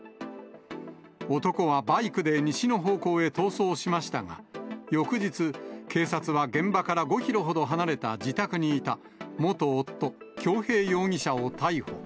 男はバイクで西の方向へ逃走しましたが、翌日、警察は現場から５キロほど離れた自宅にいた元夫、恭平容疑者を逮捕。